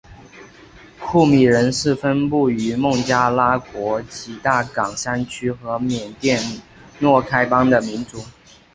库米人是分布于孟加拉国吉大港山区和缅甸若开邦的民族。